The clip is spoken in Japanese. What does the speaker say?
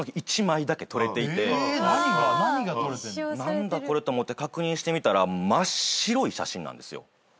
何だこれと思って確認してみたら真っ白い写真なんですよ。